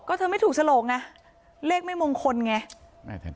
ก็เธอไม่ถูกฉลกไงเลขไม่มงคลไง